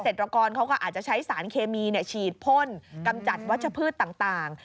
ตรกรเขาก็อาจจะใช้สารเคมีฉีดพ่นกำจัดวัชพืชต่าง